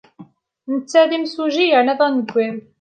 Netta d imsujji yernu d aneggal.